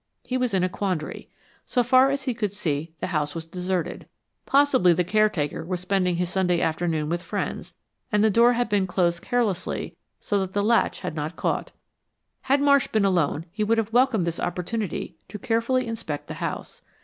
He was in a quandary. So far as he could see, the house was deserted. Possibly the caretaker was spending his Sunday afternoon with friends, and the door had been closed carelessly so that the latch had not caught. Had Marsh been alone he would have welcomed this opportunity to carefully inspect the house.